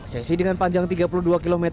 sesi dengan panjang tiga puluh dua km